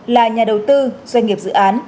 là nhà đầu tư doanh nghiệp dự án